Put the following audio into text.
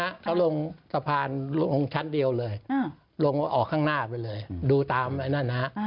แล้วก็ผมจะลงสะพานลงชั้นเดียวเลยลงข้างหน้าไปเลยดูตามไอนั่นฮะ